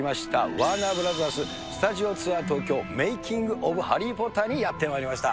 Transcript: ワーナーブラザーススタジオツアー東京・メイキング・オブ・ハリー・ポッターにやってまいりました。